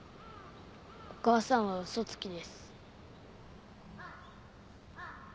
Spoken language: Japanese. お母さんはうそつきです。